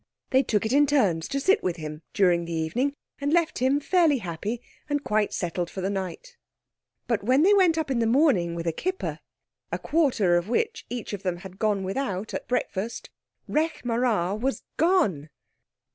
They took it in turns to sit with him during the evening, and left him fairly happy and quite settled for the night. But when they went up in the morning with a kipper, a quarter of which each of them had gone without at breakfast, Rekh marā was gone!